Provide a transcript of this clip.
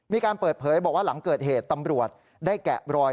มีการเปิดเผยบอกว่าหลังเกิดเหตุตำรวจได้แกะรอย